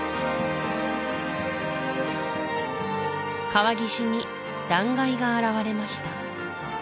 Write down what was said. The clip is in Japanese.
川岸に断崖が現れました